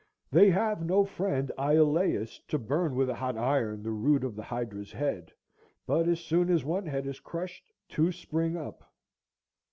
They have no friend Iolas to burn with a hot iron the root of the hydra's head, but as soon as one head is crushed, two spring up.